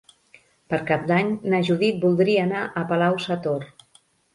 Per Cap d'Any na Judit voldria anar a Palau-sator.